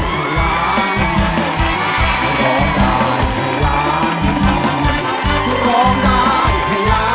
กว่าจะจบรายการเนี่ย๔ทุ่มมาก